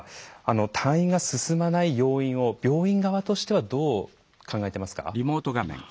退院が進まない要因を病院側としてはどう考えていますか？